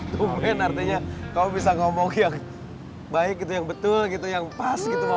dumbin artinya kamu bisa ngomong yang baik gitu yang betul gitu yang pas gitu